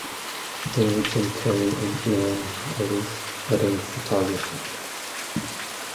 They were Jim Carrey and Lauren Holly's Wedding photographers.